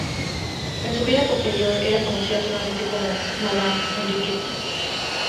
En su vida posterior era conocida solamente como Madame Enriqueta.